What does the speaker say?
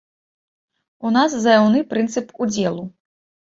У нас заяўны прынцып удзелу.